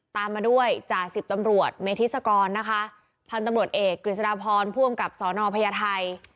ตามมาด้วยจ่าสิบตำรวจเมธิศกรนะคะพันธุ์ตำรวจเอกกฤษฎาพรผู้อำกับสอนอพญาไทย